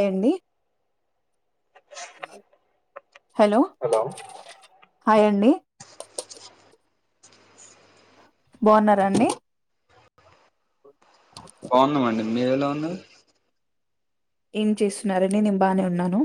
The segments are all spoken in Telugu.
ఏ యండి హలో హాయ్ అండి బాగున్నారండి మీరె ఎలా ఉన్నారు ఏం చేస్తున్నారండి నేను బాగానే ఉన్నాను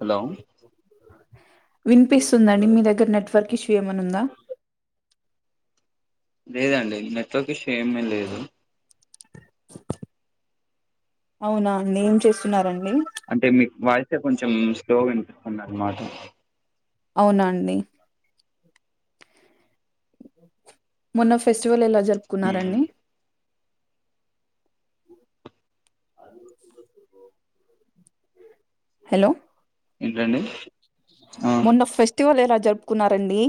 హలో వినిపిస్తుందండి మీ దగ్గర నెట్వర్క్ ఇష్యూ ఏమన్న ఉందా లేదండి నెట్వర్క్ ఇష్యూ ఏమీ లేదు అవునా అండి ఏం చేస్తున్నారండి అంటే మీకు వాయిసే కొంచెం స్లోగా వినిపిస్తుందన్నమాట అవునండి మొన్న ఫె ఫెస్టివల్ ఎలా ఉమ్, జరుపుకున్నారండి అ హలో ఏంటండి ఆ మొన్న ఫస్ట్ వల్ ఎలా జరుపుకున్నారండి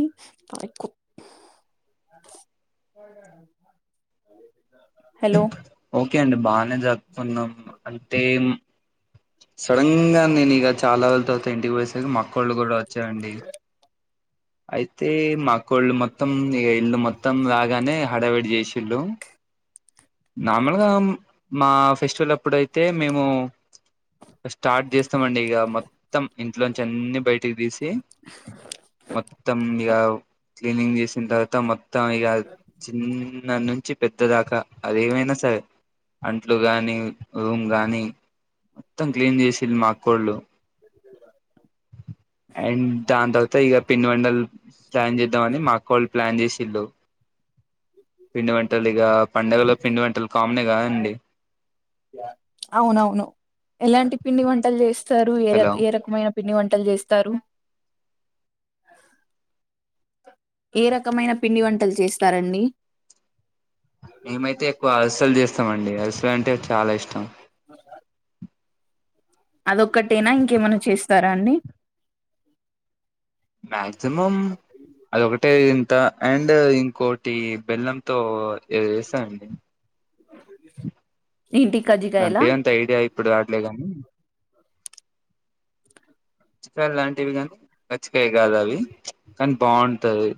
హలో కే అండి బానే జరుపుకున్నాం అంతే ఎమ్ సడన్ గా నేను ఇగ చాలా రోజుల తర్వాత ఇంటికి పోసేసరికి మా అక్కోళ్ళు కూడా వచ్చాయండి అయితే మా అక్కోళ్ళు మొత్తం ఇగ ఇల్లు మొత్తం రాగానే హడవిడి చేసి ఇల్లు నార్మల్గా మా ఫెస్టివల్ అప్పుడయితే మేము స్టార్ట్ చేస్తామండి ఇగ మొత్తం ఇంట్లోంచి అన్ని బయటికి తీసి మొత్తం ఇగ క్లీనింగ్ చేసిన తర్వాత మొత్ త్తం ఇగ చిన్న నుంచి పెద్ద దాకా అదేమైనా సరే అంట్లు గానీ రూమ్ గాని మొత్తం క్లీన్ చేసిల్లు మా అక్కోళ్ళు అండ్ దాని తర్వాత ఇగ పిండి వంటల్ ప్లాన్ చేద్దామని మాకు అక్క వాళ్ళు ప్లాన్ చేసిళ్ళు పిండి వంటలు ఇగ పండగలో పిండి వంటలు కామనే కద అండి అవునవును ఎలాంటి పిండి వంటలు చేస్ స్తారు ఏ ర హలో ఏ రకమైన పిండి వంటలు చేస్తారు ఏ రకమైన పిండి వంటలు చేస్తారండి మేమయితే ఎక్కువ అరిసల్ చేస్త మండి అరిసలంటే చాలా ఇష్టం ఆ అదొక్కటేనా ఇంకేమనా చేస్తారా అండి మాక్సిమం అది ఒకటి టే ఇంత అండ్ ఇంకోటి బెల్లంతో ఏదో జెస ఏంటి కజ్జికాయలా గుర్తు రాట్లే కజ్జికాయ లాంటివి కానీ కజ్జికాయ కాదు అవి కానీ బాగుంటది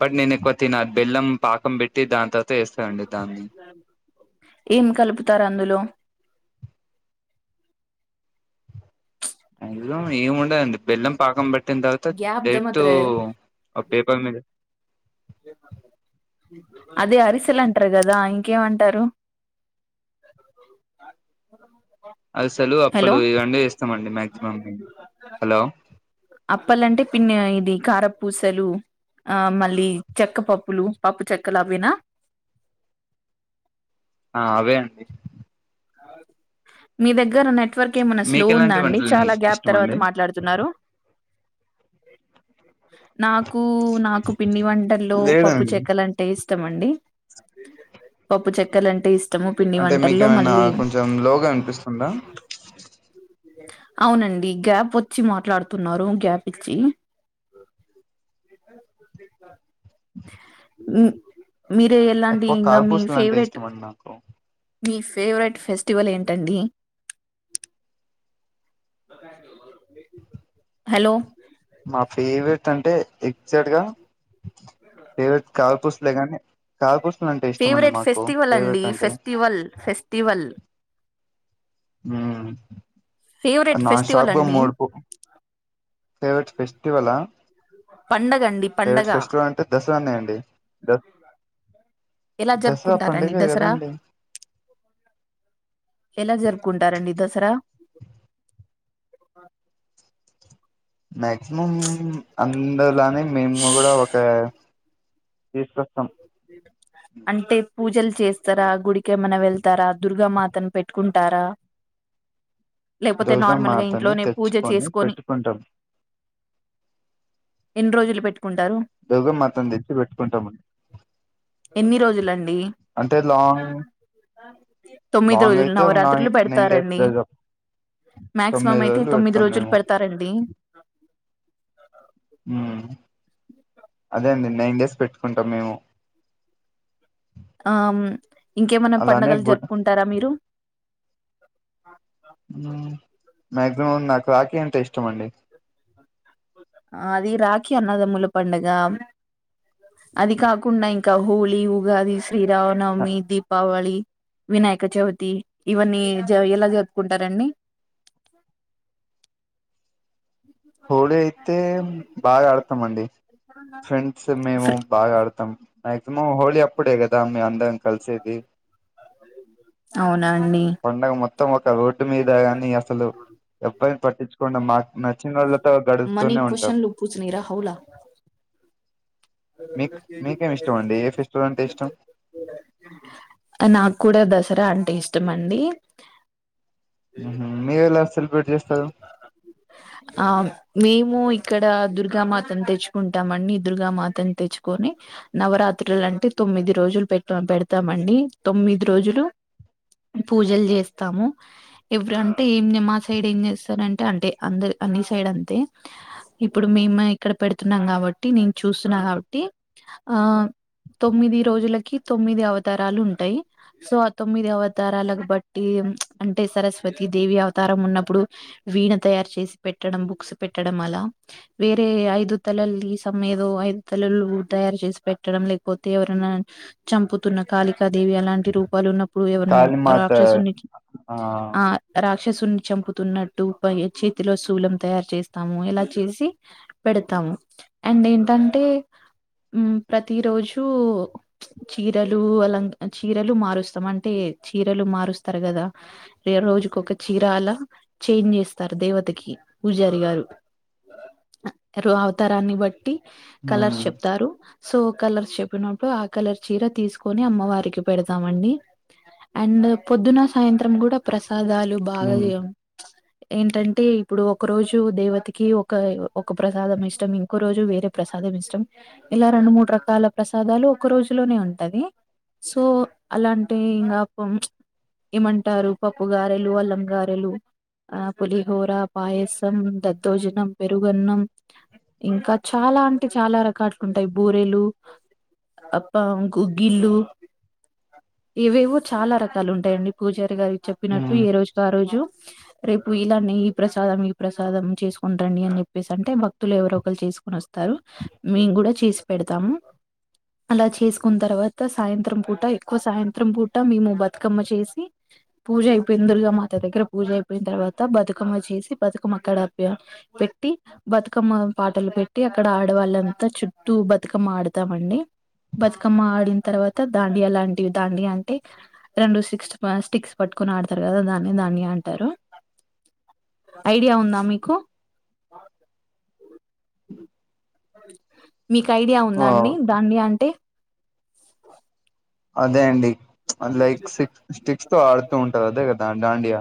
బట్ నేను తిన బెల్లం పాకం పెట్టి దాని తర్వాత వేస్తానండి దాన్ని ఏం కలుపుతారు అందులో అందులో ఏము ఉండదండి బెల్లం పాకం పట్టిన తర్వాత డైెక్ట్ గ్యాప్దమత్ర ఒక పేపర్ మీద అదే అరిసెలు అంటారు కదా ఇంకేమంటారు హలో అప్పులు ఇవన్నీ చేస్తామండి మక్సిమం మే హలో అప్పలంటే పిన్ని ఇది కారపూసలు ఆ మళ్ళీ చెక్కపప్పులు పప్పు చెక్కలు అవనా ఆ అవే అండి మీ దగ్గర అన్నట్టు నెట్వర్క్ ఏమన్నా స్లో మీకు ఉందా ఎలాంటి అండి వంటలు చాలా గ్యాప్ ఇష్టం తర్వాత అండి మాట్లాడుతున్నారు నాకు నాకు పిండి వంటల్లో లేేడా పప్పు అండి చెక్కలు అంటే ఇష్టంమండి పప్పు చెక్కలు అంటే ఇష్ట ఇష్టము పిండి అంటే వంటల్లో మీకేమైనా మళ్ళీ కొంచెం లోగా అనిపిస్తుందా అవునండి గ్యాప్ వచ్చి మాట్లాడుతున్నారు గ్యాప్ ఇచ్చి ఉ మీరే ఎలాంటి ఎక్కువ ఇంగా మీ కారపూసలు అంటే ఫేవరెట్ ఇష్టం అండి నాకు మీ ఫేవరెట్ ఫెస్టివల్ ఏంటండి హలో మా ఫేవరెట్ అంటే ఎగ్జాక్ట్గా ఫేవరెట్ కార్పూస్ లే కానీ ఫేవరెట్ ఫెస్టివల్ అండి ఫేవరెట్ అంటే ఫెస్టివల్ ఫెస్టివల్ ఉ ఫేవరెట్ ఫెస్టివల్ నాన్స్టాప్ గా అండి మూడుపు ఫేవరెట్ ఫెస్టివల్ పండగండి ఫేవరెట్ పండగ అంటే దసరానే అండి ద ఎలా దసరా జరుపుకుంటారండి పండుగే దసరా కదండి ఎలా జరుపుకుంటారండి దసరా త్ర మాక్సిమం ఉండదనే మేము కూడా ఒక తీసు స అంటె పూజలు చేస్తారా గుడికి ఏమనా వెళ్తారా దుర్గామాతను పెట్టుకుంటారా లేకపోతే నార్మల్ గా దుర్గమాతని ఇంట్లోనే పూజ తెచ్చుకొని చేసుకొని పెట్టుకుంటాం ఎన్ని రోజులు పెట్టుకుంటారు దుర్గ మాత తెచ్చి పెట్టుకుంటామండి ఎన్ని రోజులండి అంటే లాంగ్ తొమ్మిది లాంగ్ రోజులు అయితే ఒక నై నవరాత్రులు నైన్ డేస్ పెడతారండి దాదాపు మాక్సిమం తొమ్మిది అయితే రోజులు తొమ్మిది పెడతాం రోజులు మేము పెడతారండి మ్మ్ అదే అండి నైన్ డేస్ పెట్టుకుంటాం మేము ఆ ఇంకేమనా అలానే పండగలు గుడ్ జరుపుకుంటారా మీరు ఆ మాక్సిమం నాకు రాఖీ అంటే ఇష్టం అండి అది రాఖీ అన్నదముల పండుగ అది కాకుండా ఇంకా హోలీ ఉగాది శ్రీ రావనవమి దీపావళి వినాయక చవితి ఇవన్నీ జ ఎలా జరుపుకుంటారండి హోలీ అయితే బాగా ఆడతాం అండి ఫ్రెండ్స్ మేము బాగా ఆడతాం మ్యాక్సిమమ్ హోలీ అప్ ప్పుడే కదా మేము అందరం కలిసేది అవునా అండి పండగ మొత్తం ఒక రోడ్డు మీద కాని అసలు ఎబ్బ పట్టిచ్చుకుండా మాక్ నచ్చిన వాళ్ళతో మనీ గడుపుతూనే ఉంటాం క్వశ్చన్లు పూచనీరా హౌలా మిక్ మీకేమి ఇష్టం అండి ఏ ఫెస్టివల్ అంటే ఇష్టం సర అంటే ఇష్టం అండి మ్మ్ మీ ఊళ్ల అసల్ పెట్ చేస్తారు ఆ మేము ఇక్కడ దుర్గామాతను తెచ్చుకుంటామండి దుర్గామాతను తెచ్చుకొని నవరాత్రులు అంటే తొమ్మిది రోజులు పెట్ పెడతామండి తొమ్మిది రోజులు పూజలు చేస్తాము ఎవరంటే ఏంది మా సైడ్ ఏం చేస్తారంటే అంటే అంద అన్ని సైడ్ అంతే ఇప్పుడు మేము ఇక్కడ పెడుతున్నాం కాబట్టి నేను చూస్తున్నా కాబట్టి ఆ తొమ్మిది రోజులకి తొమ్మిది అవతారాలు ఉంటాయి సో ఆ తొమ్మిది అవతారాలకు బట్టి అంటే సరస్వతి దేవి అవతారం ఉన్నప్పుడు వీణ తయారు చేసి పెట్టడం బుక్స్ పెట్టడం అలా వేరే ఐదు తలలు ఈ సమ ఏదో ఐదు తలలు తయారు చేసి పెట్టడం లేకపోతే ఎవరైనా చంపుతున్న కాళికాదేవి అలాంటి రూపాలు ఉన్న ఇప్పుడు ఎవరు కాళీమాత రాక్షసుని చూ ఆ రాక్ రాక్షసున్ని చంపుతున్నట్టు చేతిలో శూలం తయారు చేస్తాము ఇలా చేసి పెడతాము అండ్ ఏంటంటే మ్మ్ ప్రతి రోజు చీరలు అల చీరలు మారుస్తాము అంటే చీరలు మారుస్తారు కదా ఏ రోజుకొక చీర అలా చేంజ్ చేస్ స్తారు దేవతకి పూజారి గారు అవతారాన్ని బట్ ఉమ్ కలర్స్ చెప్పినప్పుడు ఆ కలర్ చీర తీసుకొని అమ్మవారికి పెడతామండి. అండ్ పొద్దున సాయంత్రం కూడా ప్రసాదాలు బాగా ఉమ్ చేయం ఏంటంటే ఇప్పుడు ఒక రోజు దేవతకి ఒక ఒక ప్రసాదం ఇష్టం ఇంకో రోజు వేరే ప్రసాదం ఇష్టం ఇలా రెండు మూడు రకాల ప్రసాదాలు ఒక రోజులోనే ఉంటది సో అలాంటి ఇంకా ఏమంటారు పప్పు గారెలు అల్లం గారెలు ఆ పులిహోర పాయసం దద్దోజనం పెరుగన్నం ఇంకా చాలా అంటే చాలా రకాట్లుంటాయి బూరెలు అప్ప గుగ్గిళ్ళు ఏవేవో చాలా రకాలు ఉంటాయండి పూజారి గారు చెప్పినట్టు ఉమ్ ఏ రోజుకి ఆ రోజు రేపు ఇలానే ఈ ప్రసాదం ఈ ప్రసాదం చేసుకొని రండి అని చెప్పేసి అంటే భక్తులు ఎవరో ఒకరు చేసుకొని వస్తారు మేము కూడా చేసి పెడతాము అలా చేసుకున్న తర్వాత సాయంత్రం పూట ఎక్కువ సాయంత్రం పూట మేము బతుకమ్మ చేసి పూజ అయిపోయింది దుర్గామాత దగ్గర పూజ అయిపోయిన తర్వాత బతుకమ్మ చేసి బతుకమ్మ అక్కడ పెట్టి బతుకమ్మ పాటలు పెట్టి అక్కడ ఆడవాళ్ళంతా చుట్టూ బతుకమ్మ ఆడతామండి బతుకమ్మ ఆడిన తర్వాత దాండియా లాంటివి దాండియా అంటే రెండు సిక్స్ స్టిక్స్ పట్టుకుని ఆడతారు కదా దాన్ని దాన్ని అంటారు ఐడియా ఉందా మీకు మీకు ఐడియా ఉందా అండి ఓ దాన్ని అంటే అదే అండి లైక్ సిక్స్ స్టిక్స్ తో ఆడుతూ ఉంటారు అదే కదా దాండియా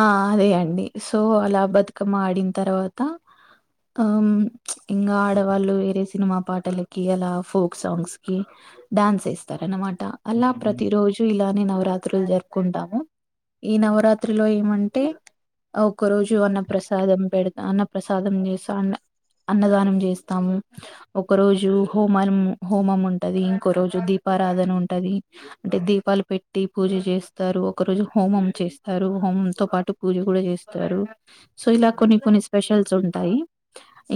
ఆ అదే అండి సో అలా బతుకమ్మ ఆడిన తర్వాత ఆ ఇంకా ఆడవాళ్ళు వేరే సినిమా పాటలకి అలా ఫోక్ సాంగ్స్ కి డాన్స్ వేస్తారనమాట అలా ప్రతి రోజు ఇలానే నవరాత్రులు జరుపుకుంటాము ఈ నవరాత్రిలో ఏమంటే ఒక రోజు అన్న ప్రసాదం పెడతా అన్న ప్రసాదం చేస్తా అన్న అన్నదానం చేస్తాము ఒకరోజు హోమం హోమం ఉంటది ఇంకో రోజు దీపారాధన ఉంటది అంటే దీపాలు పెట్టి పూజ చేస్తారు ఒక రోజు హోమం చేస్తారు హోమంతో పాటు పూజ కూడా చేస్తారు సో ఇలా కొన్ని కొన్ని స్పెషల్స్ ఉంటాయి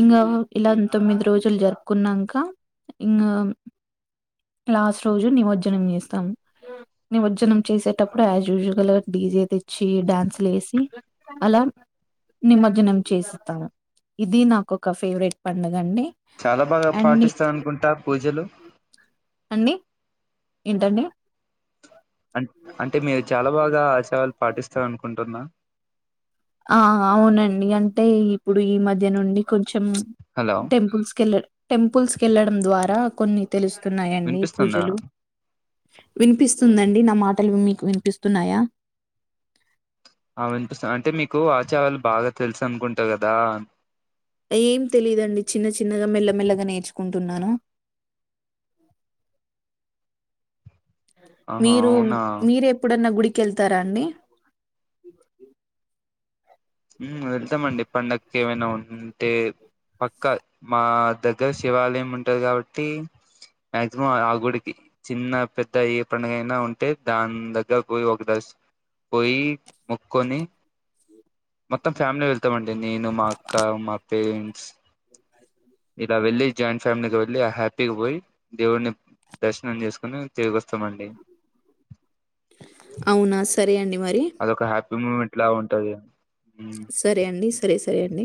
ఇంకా ఇలా తొమ్మిది రోజులు జరుపుకున్నాక ఇంకా లాస్ట్ రోజు నిమజ్జనం చేస్తాం నిమజ్జనం చేసేటప్పుడు యాజ్ యూజువల్ గా డీజే తెచ్చి డాన్సులు వేసి అలా నిమజ్జనం చేస్తాము ఇది నాకు ఒక ఫేవరెట్ పండుగ అండి చాలా బాగా అండ్ పాటిస్తారు అనుకుంటా పూజలు అండి ఏంటండి అ అంటే మీరు చాలా బాగా ఆచారాలు పాటిస్తారు అనుకుంటున్నా ఆ! అవునండి. అంటే ఇప్పుడు ఈ మధ్య నుండి కొంచెం హలో టెంపుల్స్‌కెళ్ళ టెంపుల్స్‌కెళ్ళడం ద్వారా కొన్ని తెలుస్తున్నాయండి వినిపిస్తుందా పూజలు. వినిపిస్తుందండి? నా మాటలు మీకు వినిపిస్తున్నాయా? ఆ వినిపిస్తు అంటే మీకు ఆచారాలు బాగా తెలుసు అనుకుంటా కదా ఏం తెలీదండి. చిన్న చిన్నగా మెల్లమెల్లగా నేర్చుకుంటున్నాను. ఆహా మీరు అవునా మీరెప్పుడన్నా గుడికెళ్తారా అండి? ఉమ్, వెళ్తామండి పండగకి ఏమైనా ఉంటే పక్క మా దగ్గర శివాలయం ఉంటది కాబట్టి మాక్సిమం ఆ గుడికి చిన్న పెద్ద ఏ పండుగ అయినా ఉంటే దాని దగ్గర పోయి ఒక దర్శ పోయి మొక్కొని మొత్తం ఫ్యామిలీ వెళ్తామండి నేను మా అక్క మా పేరెంట్స్ ఇలా వెళ్ళి జాయింట్ ఫ్యామిలీగా వెళ్ళి ఆ హ్యాపీగా పోయి దేవుడిని దర్శనం చేసుకుని తిరిగి వస్తామండి అవునా? సరే అండి మరి. అదొక హ్యాపీ మూమెంట్ లా ఉంటది మ్మ్ సరే అండి. సరే సరే అండి.